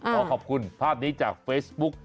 ขอขอบคุณภาพนี้จากเฟซบุ๊ก